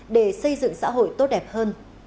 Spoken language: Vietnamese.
để xây dựng xã hội tốt đẹp hơn